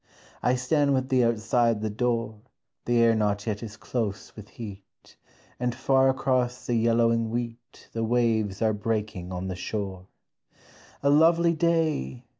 I stand with thee outside the door, The air not yet is close with heat, And far across the yellowing wheat The waves are breaking on the shore. A lovely day!